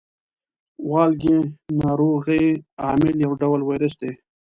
والګی ناروغۍ عامل یو ډول ویروس دی.